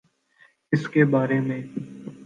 اس کے بارے میں